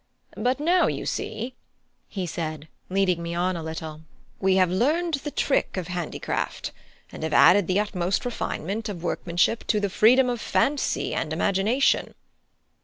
But now, you see," said he, leading me on a little, "we have learned the trick of handicraft, and have added the utmost refinement of workmanship to the freedom of fancy and imagination."